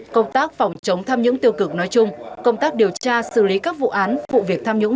công tác phòng chống tham nhũng tiêu cực nói chung công tác điều tra xử lý các vụ án vụ việc tham nhũng